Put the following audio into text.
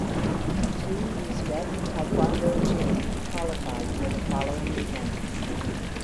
Two Uzbek taekwondo jin qualified for the following events.